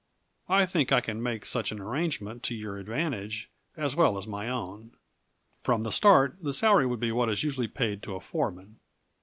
I think I can make such an arrangement to your advantage as well as my own. From the start the salary would be what is usually paid to a foreman.